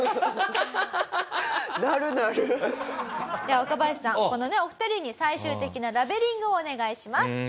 では若林さんこのお二人に最終的なラベリングをお願いします。